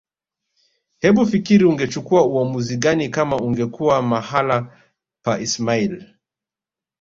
Hebufikiri ungechukua uamuzi gani kama ungekuwa mahala pa ismail